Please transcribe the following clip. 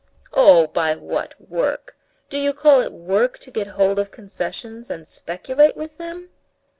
"Oh, by what work? Do you call it work to get hold of concessions and speculate with them?"